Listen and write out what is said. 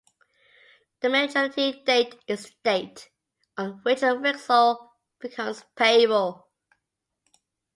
The maturity date is the date on which the veksol becomes payable.